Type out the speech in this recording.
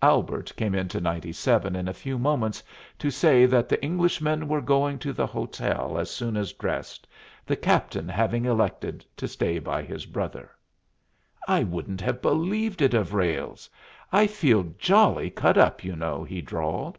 Albert came into 97 in a few moments to say that the Englishmen were going to the hotel as soon as dressed, the captain having elected to stay by his brother. "I wouldn't have believed it of Ralles. I feel jolly cut up, you know," he drawled.